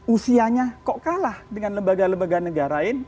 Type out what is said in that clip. usianya kok kalah dengan lembaga lembaga negara lain